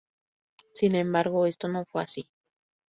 Sin embargo, esto no fue así.